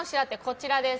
こちらです。